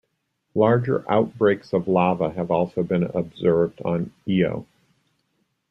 Larger outbreaks of lava have also been observed on Io.